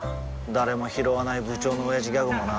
誰もひろわない部長のオヤジギャグもな